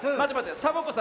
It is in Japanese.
サボ子さん